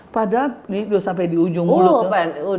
padahal ini sudah sampai di ujung mulut